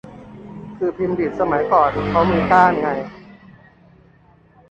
คือพิมพ์ดีดสมัยก่อนเค้ามีก้านไง